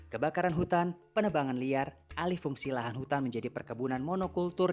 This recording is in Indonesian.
kebakaran hutan penebangan liar alih fungsi lahan hutan menjadi perkebunan monokultur